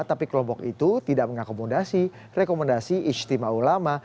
tapi kelompok itu tidak mengakomodasi rekomendasi istimewa ulama